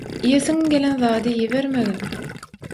iýesiň gelen zady iýibermegin